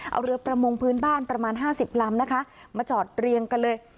เอาเรือประมงพื้นบ้านประมาณ๕๐ลำนะคะมาจอดเรียงกันเลย